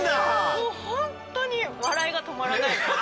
もう本当に笑いが止まらないですね。